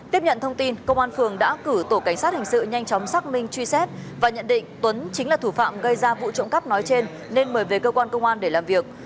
tiếp nhận thông tin công an phường đã cử tổ cảnh sát hình sự nhanh chóng xác minh truy xét và nhận định tuấn chính là thủ phạm gây ra vụ trộm cắp nói trên nên mời về cơ quan công an để làm việc